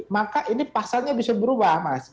maka ini pasalnya bisa berubah mas